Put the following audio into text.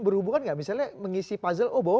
berhubungan gak misalnya mengisi puzzle oh